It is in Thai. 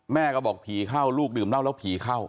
แม่ก็บอกผีเข้าลูกดื่มเหล้าแล้วผีเข้า